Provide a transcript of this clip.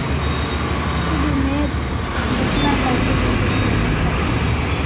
Idimee ndekuna kazi ringi ribonyekaa.